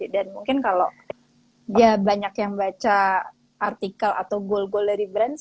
dan mungkin kalau ya banyak yang baca artikel atau goal goal dari brand sih